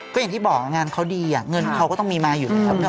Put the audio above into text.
ก็อย่างที่บอกงานเขาดีเงินเขาก็ต้องมีมาอยู่แล้ว